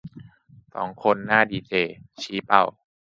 สองคนหน้าดีเจ ชี้เป้า